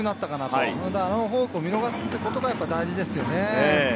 あのフォークを見逃すってことが大事ですよね。